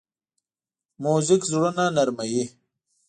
موزیک زړونه نرمه وي.